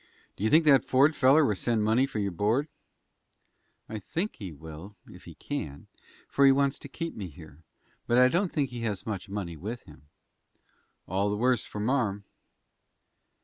Do you think that Ford feller will send money for your board?" "I think he will, if he can, for he wants to keep me here; but I don't think he has much money with him." "All the worse for marm."